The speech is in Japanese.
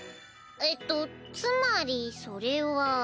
えっとつまりそれは。